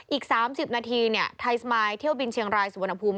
อีก๓๐นาทีไทยสมายเที่ยวบินเชียงรายสุวรรณภูมิ